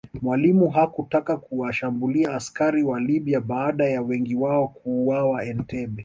Mwalimu hakutaka kuwashambulia askari wa Libya baada ya wengi wao kuuawa Entebbe